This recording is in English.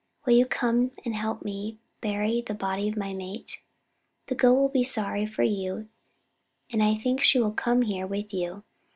Will you come and help me bury the body of my mate?' The Goat will be sorry for you and I think she will come here with you.